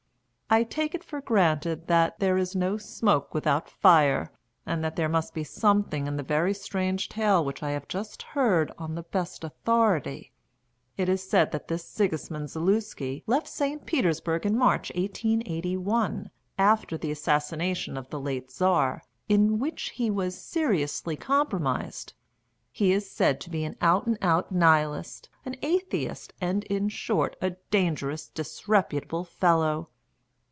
I take it for granted that "there is no smoke without fire," and that there must be something in the very strange tale which I have just heard on the best authority. It is said that this Sigismund Zaluski left St. Petersburg in March 1881, after the assassination of the late Czar, in which he was seriously compromised. He is said to be an out and out Nihilist, an atheist, and, in short, a dangerous, disreputable fellow.